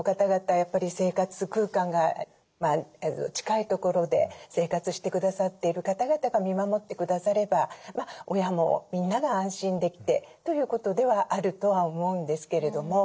やっぱり生活空間が近い所で生活して下さっている方々が見守って下されば親もみんなが安心できてということではあるとは思うんですけれども。